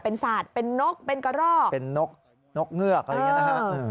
เป็นศาสตร์เป็นนกเป็นกระรอกเป็นนกนกเงือกอะไรอย่างนี้นะฮะ